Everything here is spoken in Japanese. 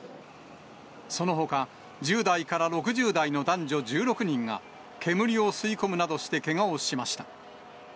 そのほか１０代から６０代の男女１６人が、煙を吸い込むなどしてけがをしました。